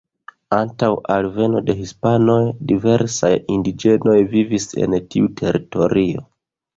Antaŭ alveno de hispanoj diversaj indiĝenoj vivis en tiu teritorio.